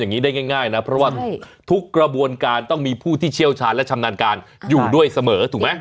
ในที่จะทำนานการอยู่ด้วยเสมอถูกไหม